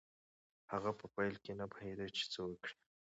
هغه په پیل کې نه پوهېده چې څه وکړي.